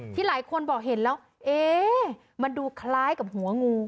หลายคนบอกเห็นแล้วเอ๊ะมันดูคล้ายกับหัวงู